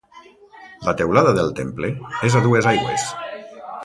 La teulada del temple és a dues aigües.